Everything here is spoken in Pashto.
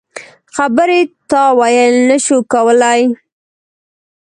خبرې تاویل نه شو کولای.